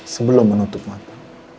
sebelum menutup mata